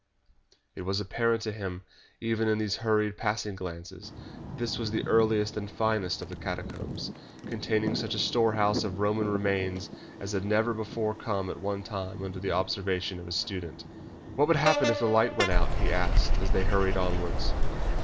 It was apparent to him, even in those hurried, passing glances, that this was the earliest and finest of the catacombs, containing such a storehouse of Roman remains as had never before come at one time under the observation of the student. "What would happen if the light went out?" he asked, as they hurried onwards.